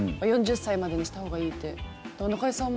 ４０歳までにしたほうがいいって。